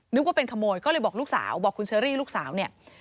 นึกว่าเป็นขโมยก็เลยบอกลูกสาวบอกคุณเชอรี่ลูกสาวเนี่ย